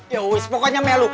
ya pokoknya melu